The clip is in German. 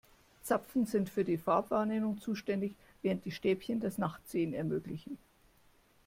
Zapfen sind für die Farbwahrnehmung zuständig, während die Stäbchen das Nachtsehen ermöglichen.